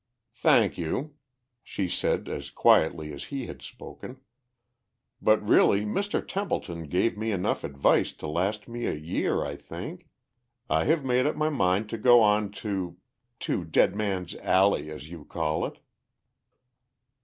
"Thank you," she said as quietly as he had spoken. "But really Mr. Templeton gave me enough advice to last me a year, I think. I have made up my mind to go on to ... to Dead Man's Alley, as you call it."